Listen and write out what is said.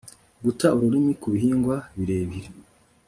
guta urumuri ku bihingwa birebire